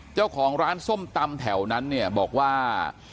เจ้าของร้านส้มตำแถวนั้นเนี่ยบอกว่า